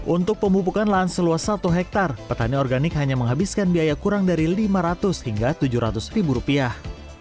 untuk pemupukan lahan seluas satu hektare petani organik hanya menghabiskan biaya kurang dari lima ratus hingga tujuh ratus ribu rupiah